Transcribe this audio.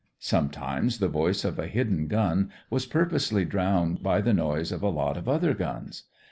Sometimes the voice of a hidden gun was purposely drowned by the noise of a lot of other guns.